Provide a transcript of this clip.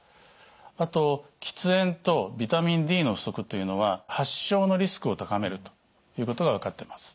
あと喫煙とビタミンＤの不足というのは発症のリスクを高めるということが分かっています。